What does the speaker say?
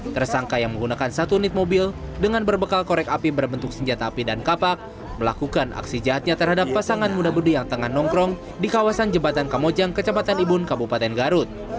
tersangka yang menggunakan satu nit mobil dengan berbekal korek api berbentuk senjata api dan kapak melakukan aksi jahatnya terhadap pasangan muda budi yang tengah nongkrong di kawasan jembatan kamojang kecamatan ibun kabupaten garut